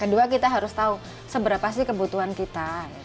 kedua kita harus tahu seberapa sih kebutuhan kita